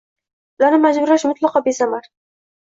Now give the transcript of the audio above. Ularni majburlash mutlaqo besamar.